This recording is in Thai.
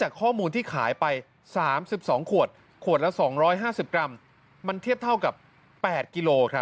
จากข้อมูลที่ขายไป๓๒ขวดขวดละ๒๕๐กรัมมันเทียบเท่ากับ๘กิโลครับ